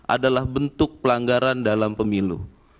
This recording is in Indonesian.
adalah bentuk pelanggaran dalam pemilu